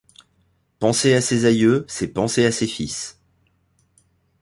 Penser à ses aïeux, c'est penser à ses fils.